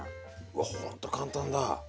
うわほんと簡単だ。